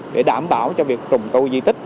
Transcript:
để đảm bảo cho việc trùng tu di tích